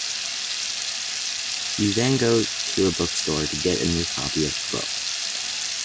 You then go to a bookstore to get a new copy of the book.